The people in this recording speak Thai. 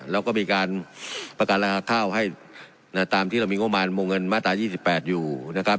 แล้วก็มีการประกันราคาข้าวให้ตามที่เรามีงบประมาณวงเงินมาตรา๒๘อยู่นะครับ